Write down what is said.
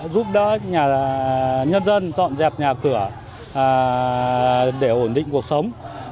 giúp đỡ nhân dân dọn dẹp nhà cửa để ổn định cuộc sống